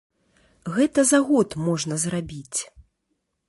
Гэта за год можна зрабіць.